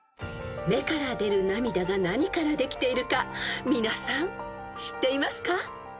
［目から出る涙が何からできているか皆さん知っていますか？］